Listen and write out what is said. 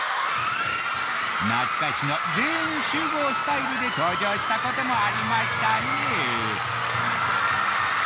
懐かしの「全員集合」スタイルで登場したこともありましたね